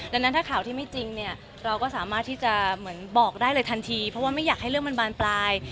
ดังนั้นถ้าข่าวที่ไม่จริงเนี่ยเราก็สามารถที่จะเหมือนบอกได้เลยทันทีเพราะว่าไม่อยากให้เรื่องมันบานปลาย